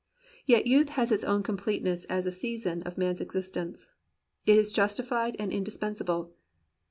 Yet youth has its own completeness as a season of man's existence. It is justified and indispensable.